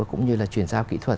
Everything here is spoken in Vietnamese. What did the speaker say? cũng như là chuyển giao kỹ thuật